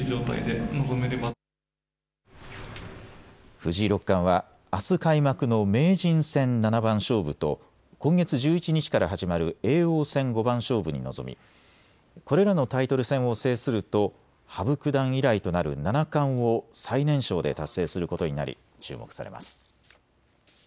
藤井六冠はあす開幕の名人戦七番勝負と今月１１日から始まる叡王戦五番勝負に臨みこれらのタイトル戦を制すると羽生九段以来となる七冠を最年少で達成することになり注目されます。